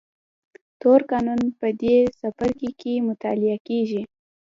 تور قانون په دې څپرکي کې مطالعه کېږي.